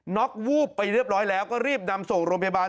็อกวูบไปเรียบร้อยแล้วก็รีบนำส่งโรงพยาบาล